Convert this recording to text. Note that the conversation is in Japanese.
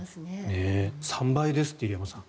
３倍ですって、入山さん。